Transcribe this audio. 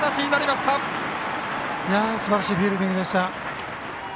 すばらしいフィールディングでした。